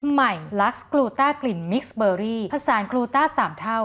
ใหม่ลัสกลูต้ากลิ่นมิกซ์เบอรี่ผสานกลูต้าสามเท่า